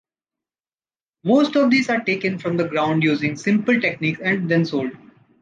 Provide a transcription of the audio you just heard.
Most of these are then taken from the ground using simple techniques and then sold.